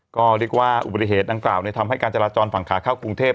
ก็เรียกว่าอุบัติเหตุดังกล่าวทำให้การจราจรฝั่งขาเข้ากรุงเทพ